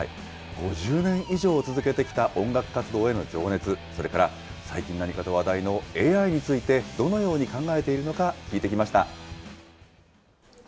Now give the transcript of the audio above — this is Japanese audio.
５０年以上続けてきた音楽活動への情熱、それから最近何かと話題のＡＩについてどのように考えているのか聞いてきました。